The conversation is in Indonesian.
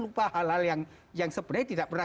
lupa hal hal yang sebenarnya tidak pernah